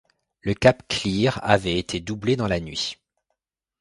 Le cap Clear avait été doublé dans la nuit.